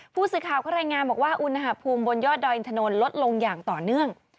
ผู้สื่อข่าวก็รายงานบอกว่าอุณหภูมิบนยอดดอยอินทนนลดลงอย่างต่อเนื่อง